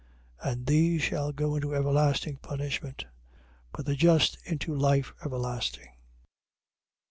25:46. And these shall go into everlasting punishment: but the just, into life everlasting.